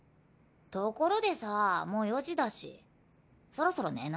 ところでさもう４時だしそろそろ寝ない？